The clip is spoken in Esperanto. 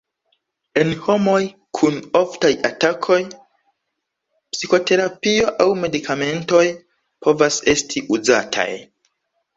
En homoj kun oftaj atakoj, psikoterapio aŭ medikamentoj povas esti uzataj.